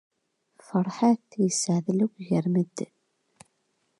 Feṛḥat yesseɛdel akk gar medden.